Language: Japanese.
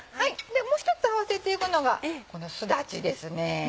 もう１つ合わせていくのがこのすだちですね。